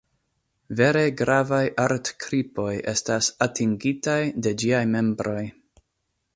Vere gravaj art-kripoj estas atingitaj de ĝiaj membroj.